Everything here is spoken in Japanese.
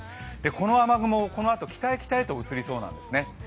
この雨雲、このあと、北へ北へと移りそうなんですね。